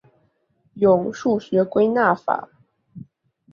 用数学归纳法。